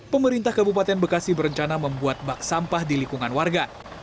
pemerintah kabupaten bekasi berencana membuat bak sampah di lingkungan warga